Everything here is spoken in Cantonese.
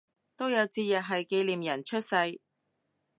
都有節日係紀念人出世